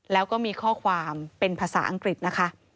แล้วก็มีข้อความเป็นภาษาอังกฤษนะคะ